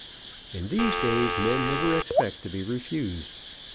In these days men never expect to be refused.